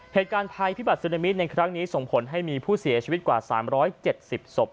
เหตุการณ์ภัยพิบัตรซึนามิในครั้งนี้ส่งผลให้มีผู้เสียชีวิตกว่า๓๗๐ศพ